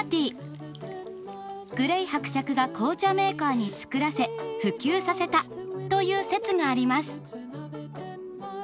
グレイ伯爵が紅茶メーカーに作らせ普及させたという説があります。